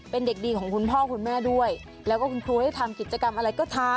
เป็นเด็กดีของคุณพ่อคุณแม่ด้วยแล้วก็คุณครูให้ทำกิจกรรมอะไรก็ทำ